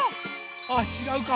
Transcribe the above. あちがうか。